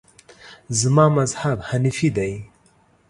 زما مذهب حنیفي دی.